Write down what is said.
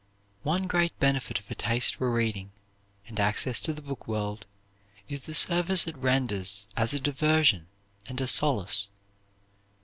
One great benefit of a taste for reading, and access to the book world, is the service it renders as a diversion and a solace.